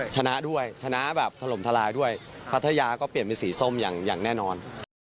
ชนะด้วยชนะแบบถล่มทลายด้วยพัทยาก็เปลี่ยนเป็นสีส้มอย่างแน่นอน